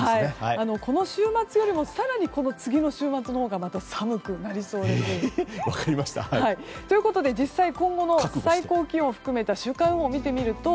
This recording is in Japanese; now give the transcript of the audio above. この週末よりも更にこの次の週末のほうがまた寒くなりそうです。ということで実際に今後の最高気温を含めた週間予報です。